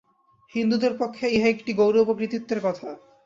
হিন্দুদের পক্ষে ইহা একটি গৌরব ও কৃতিত্বের কথা।